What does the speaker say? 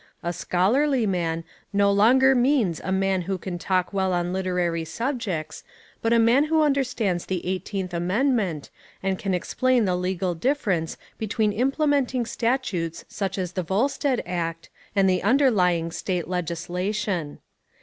A "scholarly" man no longer means a man who can talk well on literary subjects but a man who understands the eighteenth amendment and can explain the legal difference between implementing statutes such as the Volstead Act and the underlying state legislation.